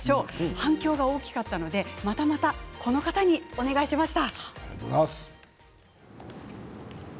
反響が大きかったのでまたまたこの方にお願いしました。